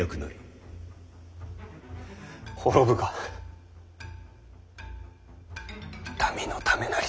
滅ぶが民のためなり。